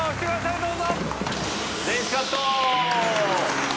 どうぞ。